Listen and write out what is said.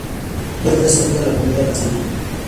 Geek residente de la familia Kazama.